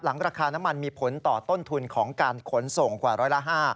ราคาน้ำมันมีผลต่อต้นทุนของการขนส่งกว่าร้อยละ๕